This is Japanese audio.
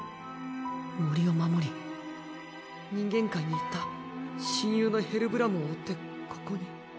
森を守り人間界に行った親友のヘルブラムを追ってここに。